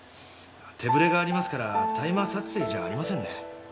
手振れがありますからタイマー撮影じゃありませんね。